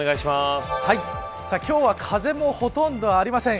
今日は風もほとんどありません。